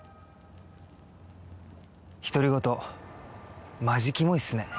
独り言マジキモいっすね